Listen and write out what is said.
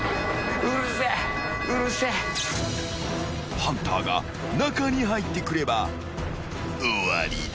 ［ハンターが中に入ってくれば終わりだ］